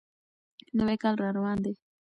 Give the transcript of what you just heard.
نوی کال را روان دی.